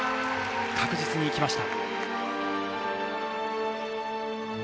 確実に行きました。